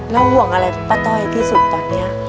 แล้วห่วงอะไรป้าต้อยที่สุดตอนนี้